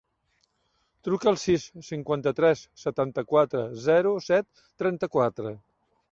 Truca al sis, cinquanta-tres, setanta-quatre, zero, set, trenta-quatre.